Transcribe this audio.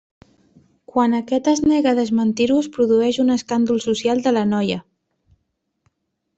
Quan aquest es nega a desmentir-ho es produeix un escàndol social de la noia.